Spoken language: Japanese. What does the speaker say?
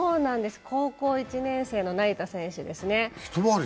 高校１年生の成田選手ですね